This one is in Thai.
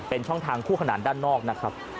เป็นช่องทางคู่ขนานด้านนอกนะครับ